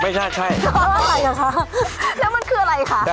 น้ำไผ่เหรอคะแล้วมันคืออะไรคะ